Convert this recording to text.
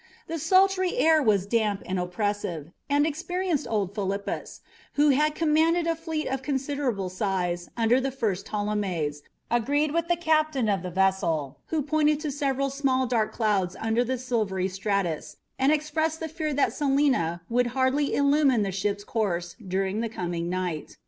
The sultry air was damp and oppressive, and experienced old Philippus, who had commanded a fleet of considerable size under the first Ptolemies, agreed with the captain of the vessel, who pointed to several small dark clouds under the silvery stratus, and expressed the fear that Selene would hardly illumine the ship's course during the coming night.